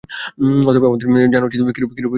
অতএব আমাদের জানা উচিত কিরূপে কর্ম করিতে হইবে।